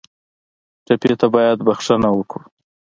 ټپي ته باید بښنه ورکړو.